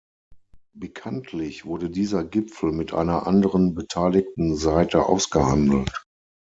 Bekanntlich wurde dieser Gipfel mit einer anderen beteiligten Seite ausgehandelt.